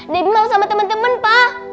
debbie malu sama temen temen pa